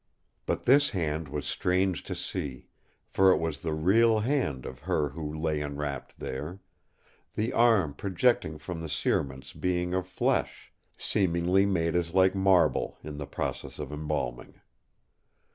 "But this hand was strange to see, for it was the real hand of her who lay enwrapped there; the arm projecting from the cerements being of flesh, seemingly made as like marble in the process of embalming.